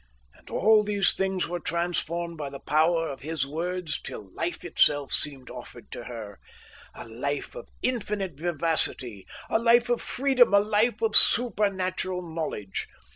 And all these things were transformed by the power of his words till life itself seemed offered to her, a life of infinite vivacity, a life of freedom, a life of supernatural knowledge.